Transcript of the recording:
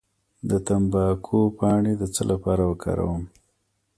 د تمباکو پاڼې د څه لپاره وکاروم؟